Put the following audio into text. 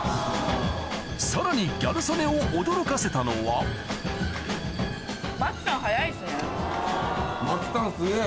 さらにギャル曽根を驚かせたのは巻さんすげぇ。